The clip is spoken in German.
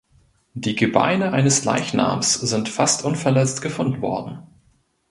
Die Gebeine eines Leichnams sind fast unverletzt gefunden worden.